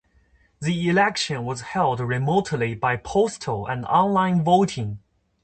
The election was held remotely by postal and online voting.